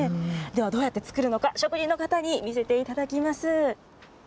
ではどうやって作るのか、職人の方に見せていただきます。